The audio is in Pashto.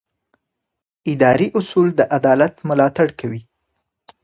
اداري اصول د عدالت ملاتړ کوي.